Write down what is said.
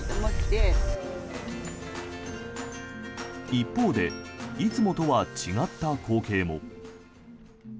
一方でいつもとは違った光景も。